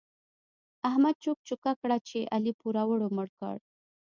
احمد چوک چوکه کړه چې علي پوروړو مړ کړ.